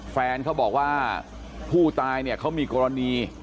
แฟนเขาบอกว่าผู้ตายเนี่ยเขามีกรณี